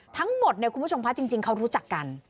ทั้งหมดคุณผู้ชมภาคจริงเขารู้จักกัน